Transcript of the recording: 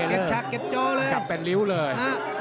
ลูกนี้กับแปรนลิ้วเลย